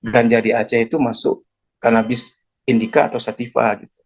dan jadi aceh itu masuk kanabis indica atau sativa